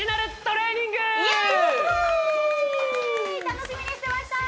楽しみにしてました！